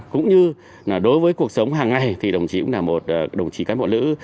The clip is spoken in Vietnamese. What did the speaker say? cũng như đối với cuộc sống hàng ngày thì đồng chí cũng là một đồng chí cán bộ nữ